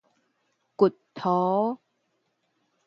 掘塗